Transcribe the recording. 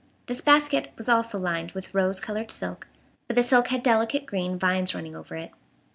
This basket was also lined with rose colored silk, but the silk had delicate green vines running over it.